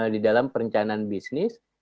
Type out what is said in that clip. di dalam perencanaan bisnis